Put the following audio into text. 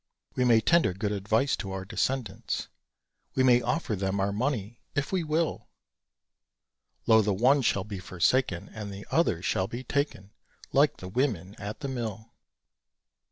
We may tender good advice to our descendants; We may offer them our money, if we will; Lo, the one shall be forsaken, And the other shall be taken (Like the women at the mill!).